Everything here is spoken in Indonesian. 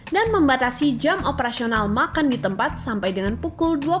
dan membatasi jam operasional makan di tempat sampai dengan pukul dua puluh wib